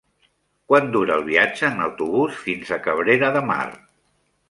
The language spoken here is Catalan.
Quant dura el viatge en autobús fins a Cabrera de Mar?